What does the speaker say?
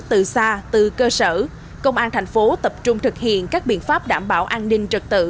từ xa từ cơ sở công an thành phố tập trung thực hiện các biện pháp đảm bảo an ninh trật tự